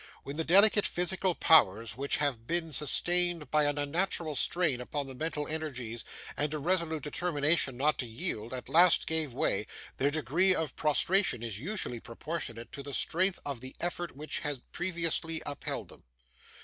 When the delicate physical powers which have been sustained by an unnatural strain upon the mental energies and a resolute determination not to yield, at last give way, their degree of prostration is usually proportionate to the strength of the effort which has previously upheld them.